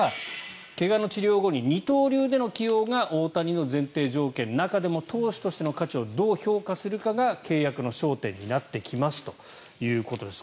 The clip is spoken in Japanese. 怪我の治療後に二刀流での起用が大谷の前提条件中でも投手としての価値をどう評価するかが契約の焦点になってきますということです。